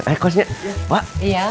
eh kos ya pak